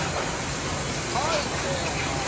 返せよお前！